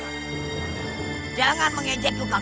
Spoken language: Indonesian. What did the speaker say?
kamu masih harus bertanya kepada aku